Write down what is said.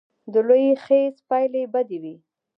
د لوی خیز پایلې بدې وې.